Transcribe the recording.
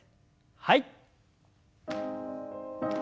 はい。